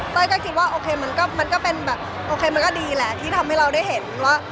ก็คิดว่าโอเคมันก็เป็นแบบโอเคมันก็ดีแหละที่ทำให้เราได้เห็นว่า